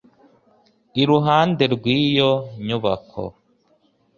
iruhande rwiyo nyubako